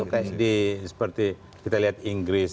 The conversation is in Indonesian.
jadi seperti kita lihat inggris